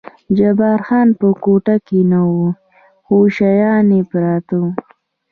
جبار خان په کوټه کې نه و، خو شیان یې پراته و.